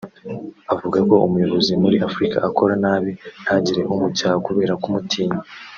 Avuga ko umuyobozi muri Afurika akora nabi ntagire umucyaha kubera kumutinya